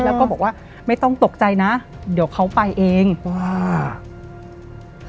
แล้วก็บอกว่าไม่ต้องตกใจนะเดี๋ยวเขาไปเองว่า